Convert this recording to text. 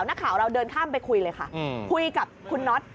นักข่าวเราเดินข้ามไปคุยเลยค่ะคุยกับคุณน็อต